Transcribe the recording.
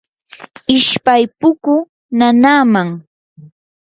ishpay pukuu nanaaman.